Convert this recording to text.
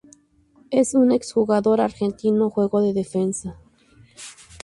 Es un ex jugador argentino, jugo defensa.